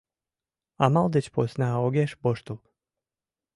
Амал деч посна огеш воштыл: